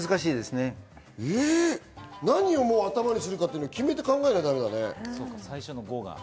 何を頭にするか決めて考えないとだめだね。